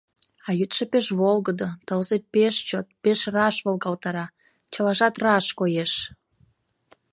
А йӱдшӧ пеш волгыдо, тылзе пеш чот, пеш раш волгалтара, — чылажат раш коеш.